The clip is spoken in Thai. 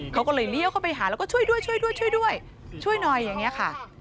เขาก็เลยเลี้ยวเข้าไปหาแล้วก็ช่วยด้วยช่วยด้วยช่วยด้วยช่วยหน่อยอย่างนี้ค่ะ